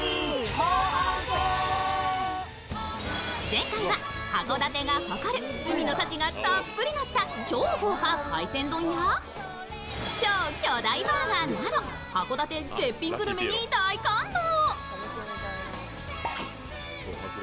前回は、函館が誇る海の幸がたっぷりのった超豪華海鮮丼や超巨大バーガーなど函館絶品グルメに大感動。